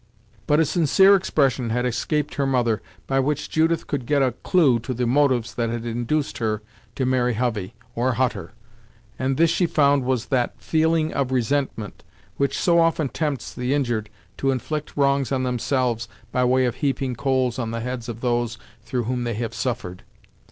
But a sincere expression had escaped her mother, by which Judith could get a clue to the motives that had induced her to marry Hovey, or Hutter, and this she found was that feeling of resentment which so often tempts the injured to inflict wrongs on themselves by way of heaping coals on the heads of those through whom they have suffered.